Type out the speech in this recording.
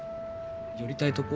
寄りたいとこ？